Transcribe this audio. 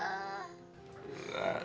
aku gak mau kehilangan mbak